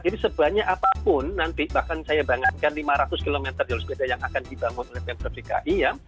jadi sebanyak apapun nanti bahkan saya bangunkan lima ratus km jalur sepeda yang akan dibangun oleh pemprebzikai ya